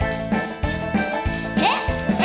แล้วใส่พี่เบาไม่มาเอาใจ